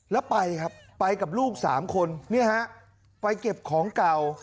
แล้วไปครับไปกับลูก๓คนไปเก็บของเก่า